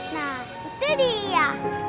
nah itu dia